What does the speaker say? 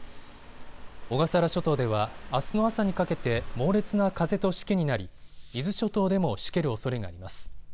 小笠原諸島ではあすの朝にかけて猛烈な風としけになり、伊豆諸島でもしけるおそれがあります。